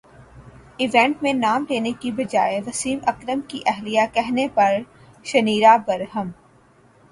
event میں نام لینے کے بجائے وسیم اکرم کی اہلیہ کہنے پر شنیرا برہم